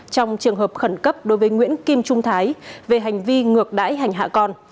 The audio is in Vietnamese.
trong trường hợp khẩn cấp đối với nguyễn kim trung thái về hành vi ngược đáy hành hạ con